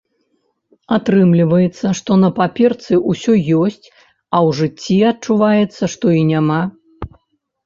Атрымліваецца, што на паперцы ўсё ёсць, а ў жыцці адчуваецца, што і няма.